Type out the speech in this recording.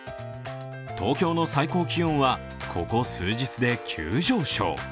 東京の最高気温はここ数日で急上昇。